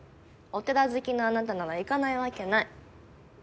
お寺好きのあなたなら行かないわけない。